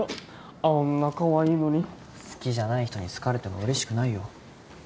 あんなかわいいのに好きじゃない人に好かれても嬉しくないよ